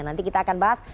nanti kita akan bahas